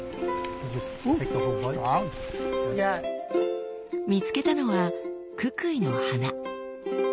見つけたのはククイの花。